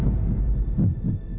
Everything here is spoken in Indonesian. aku mau ngerti masak kamu